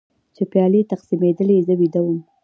چې پیالې تقسیمېدلې زه ویده وم.